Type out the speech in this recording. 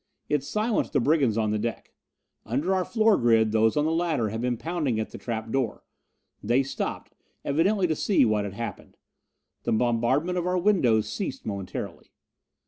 It silenced the brigands on the deck. Under our floor grid those on the ladder had been pounding at the trap door. They stopped, evidently to see what had happened. The bombardment of our windows ceased momentarily.